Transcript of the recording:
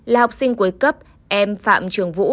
là học sinh cuối cấp em phạm trường vũ